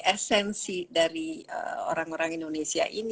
esensi dari orang orang indonesia ini